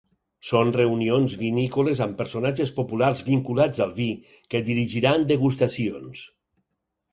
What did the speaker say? Són reunions vinícoles amb personatges populars vinculats al vi que dirigiran degustacions.